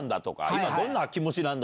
今どんな気持ちなんだ？と。